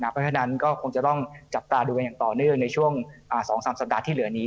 เพราะฉะนั้นก็คงจะต้องจับตาดูกันอย่างต่อเนื่องในช่วง๒๓สัปดาห์ที่เหลือนี้